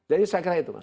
jadi saya kira itu mas